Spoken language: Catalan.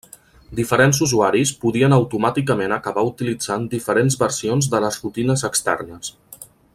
Diferents usuaris podien automàticament acabar utilitzant diferents versions de les rutines externes.